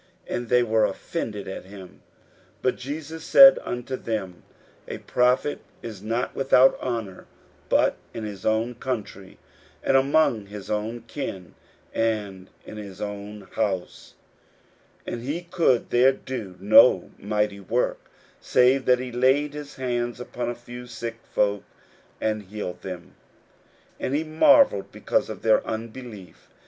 And they were offended at him. 41:006:004 But Jesus, said unto them, A prophet is not without honour, but in his own country, and among his own kin, and in his own house. 41:006:005 And he could there do no mighty work, save that he laid his hands upon a few sick folk, and healed them. 41:006:006 And he marvelled because of their unbelief.